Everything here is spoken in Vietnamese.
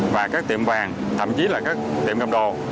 và các tiệm vàng thậm chí là các tiệm cầm đồ